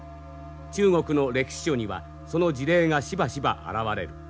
中国の歴史書にはその事例がしばしば現れる。